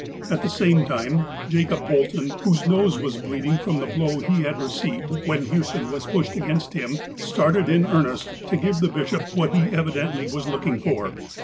At the same time, Jacob Bolton, whose nose was bleeding from the blow he had received when Hewson was pushed against him, started in earnest to give the bishop what he evidently was looking for.